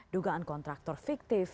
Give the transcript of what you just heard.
dugaan kontraktor fiktif